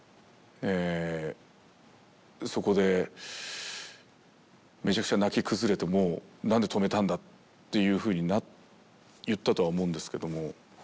そこでめちゃくちゃ泣き崩れて「なんで止めたんだ！」っていうふうに言ったとは思うんですけども。